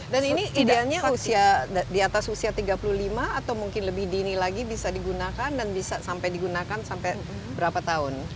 dan ini idealnya di atas usia tiga puluh lima atau mungkin lebih dini lagi bisa digunakan dan bisa sampai digunakan sampai berapa tahun